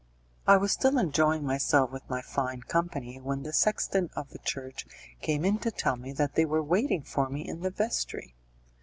I was still enjoying myself with my fine company, when the sexton of the church came in to tell me that they were waiting for me in the vestry.